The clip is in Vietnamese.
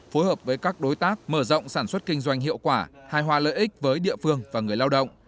phối hợp với các đối tác mở rộng sản xuất kinh doanh hiệu quả hài hòa lợi ích với địa phương và người lao động